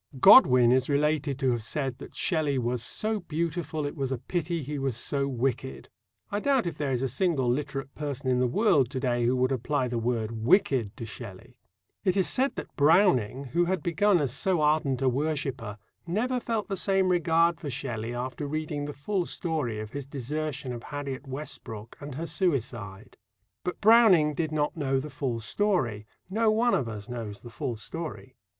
Godwin is related to have said that "Shelley was so beautiful, it was a pity he was so wicked." I doubt if there is a single literate person in the world to day who would apply the word "wicked" to Shelley. It is said that Browning, who had begun as so ardent a worshipper, never felt the same regard for Shelley after reading the full story of his desertion of Harriet Westbrook and her suicide. But Browning did not know the full story. No one of us knows the full story.